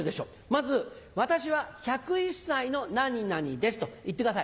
まず「私は１０１歳の何々です」と言ってください。